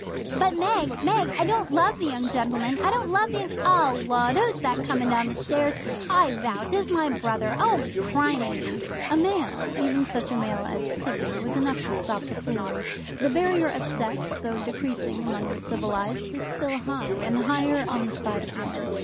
"But, Meg, Meg, I don't love the young gentleman; I don't love the young 0 lud, who's that coming down the stairs? I vow 'tis my brother. 0 crimini!" A male even such a male as Tibby was enough to stop the foolery. The barrier of sex, though decreasing among the civilized, is still high, and higher on the side of women.